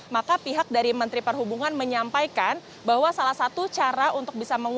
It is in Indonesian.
maka pihak dari menteri perhubungan menyampaikan bahwa salah satu cara untuk bisa mengungkapkan